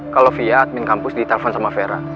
kalau fia admin kampus ditelepon sama vera